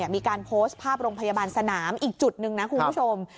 มีการโพสต์ภาพโรงพยาบาลสนามอีกจุดหนึ่งนะคุณผู้ชม